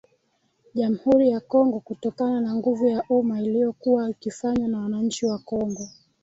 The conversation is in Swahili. jamhuri ya Kongo Kutokana na nguvu ya umma iliyokuwa ikifanywa na wananchi wa Kongo